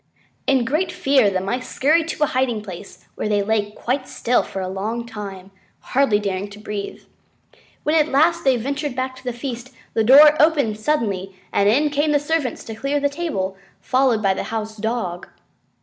In great fear the Mice scurried to a hiding place, where they lay quite still for a long time, hardly daring to breathe. When at last they ventured back to the feast, the door opened suddenly and in came the servants to clear the table, followed by the House Dog.